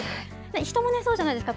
人もそうじゃないですか。